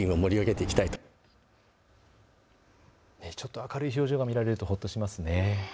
明るい表情が見られるとほっとしますね。